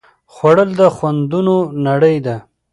خوړل د خوندونو نړۍ ده